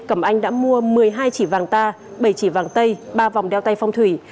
cẩm anh đã mua một mươi hai chỉ vàng ta bảy chỉ vàng tây ba vòng đeo tay phong thủy